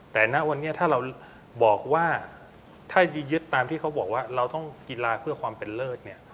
แต่ณวันนี้ถ้าเรายึดตามที่เขาบอกว่าเราต้องกีฬาเพื่อความเป็นเลิศ